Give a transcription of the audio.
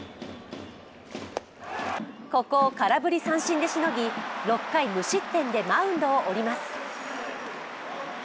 ここを空振り三振でしのぎ、６回無失点でマウンドをおります。